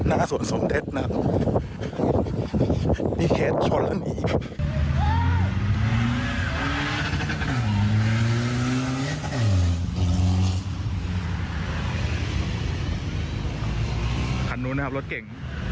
อ้าวเหรอคันไหน